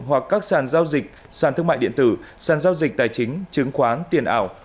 hoặc các sàn giao dịch sàn thương mại điện tử sàn giao dịch tài chính chứng khoán tiền ảo